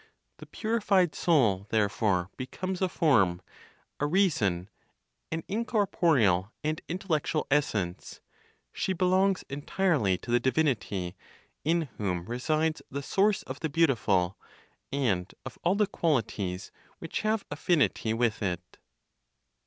The purified soul, therefore, becomes a form, a reason, an incorporeal and intellectual essence; she belongs entirely to the divinity, in whom resides the source of the beautiful, and of all the qualities which have affinity with it.